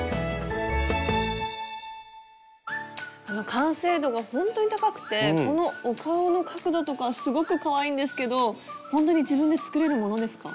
完成度がほんとに高くてこのお顔の角度とかすごくかわいいんですけどほんとに自分で作れるものですか？